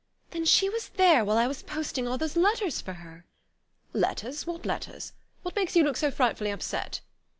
"Then she was there while I was posting all those letters for her ?" "Letters what letters? What makes you look so frightfully upset?"